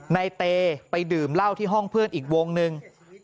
ในเตไปดื่มเหล้าที่ห้องเพื่อนอีกวงหนึ่ง